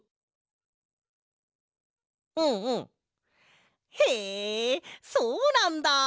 うんうんへえそうなんだ！